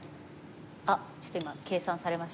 あっちょっと今計算されましたか？